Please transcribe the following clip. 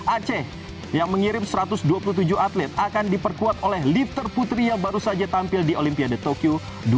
aceh yang mengirim satu ratus dua puluh tujuh atlet akan diperkuat oleh lifter putri yang baru saja tampil di olimpiade tokyo dua ribu dua puluh